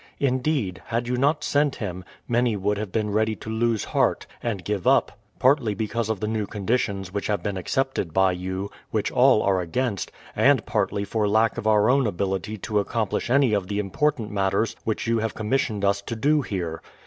Indeed, had you not sent him, many would have been ready to lose heart, and give up — partly because of the new conditions which have been accepted by you, which all are against; and partly for lack of our own ability to accomplish any of the important matters which you have commissioned us to do here.